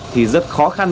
thì rất khó khăn